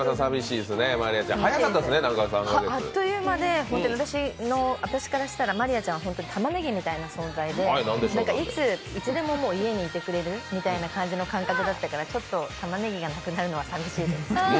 あっという間で、私からしたら真莉愛ちゃんは、たまねぎみたいな存在でいつでも家にいてくれるみたいな感じの感覚だったからちょっとたまねぎがなくなるのはさみしいです。